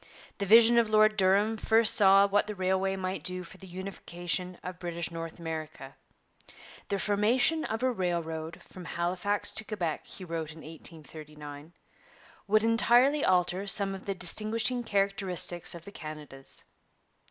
The vision of Lord Durham first saw what the railway might do for the unification of British North America. 'The formation of a railroad from Halifax to Quebec,' he wrote in 1839, 'would entirely alter some of the distinguishing characteristics of the Canadas.'